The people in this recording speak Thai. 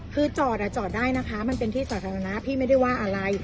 คือจอดอ่ะจอดได้นะคะมันเป็นที่สาธารณะพี่ไม่ได้ว่าอะไร